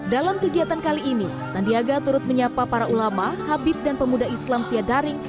dalam kegiatan kali ini sandiaga turut menyapa para ulama habib dan pemuda islam via daring